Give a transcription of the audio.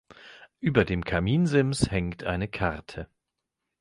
Über dem Kaminsims hängt eine Karte.